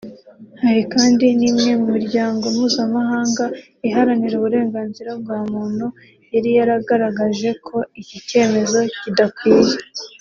Hari kandi n’imwe mu miryango mpuzamahanga iharanira uburenganzira bwa muntu yari yaragaragaje ko iki cyemezo kidakwiye